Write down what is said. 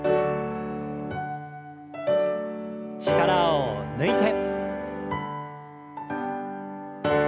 力を抜いて。